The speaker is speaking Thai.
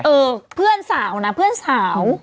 เออเพื่อนสาวนะเพื่อนสาว